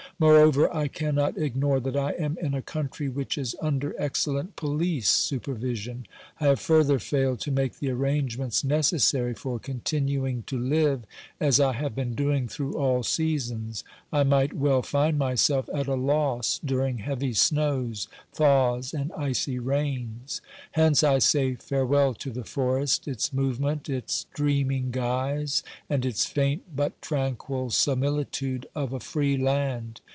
Moreover, I cannot ignore that I am in a country which is under ex cellent police supervision. I have further failed to make the arrangements necessary for continuing to live as I have been doing through all seasons. I might well find myself at a loss during heavy snows, thaws and icy rains. Hence I say farewell to the forest, its movement, its dreaming guise and its faint but tranquil similitude of a free land.